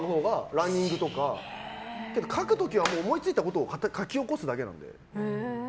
ランニングとか書く時は思いついたことを書き起こすだけなので。